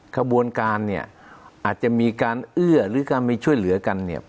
ขบวนการอาจจะมีการเอื้อหรือการไม่ช่วยเหลือกัน